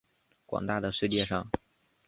广大的世界上